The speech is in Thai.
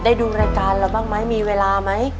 ได้ดูรายการเราบ้างมั้ย